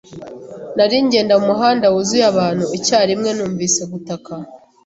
Nari ngenda mu muhanda wuzuye abantu, icyarimwe numvise gutaka.